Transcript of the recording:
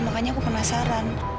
makanya aku penasaran